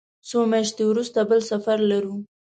څو میاشتې وروسته بل سفر لرو.